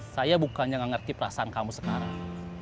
saya bukannya nggak ngerti perasaan kamu sekarang